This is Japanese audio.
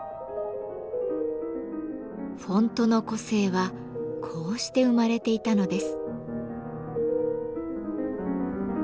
フォントの個性はこうして生まれていたのです。